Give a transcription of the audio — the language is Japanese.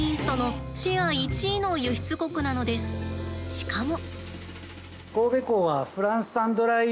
しかも。